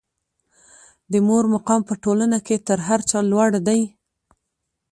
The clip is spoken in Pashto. د مور مقام په ټولنه کې تر هر چا لوړ دی.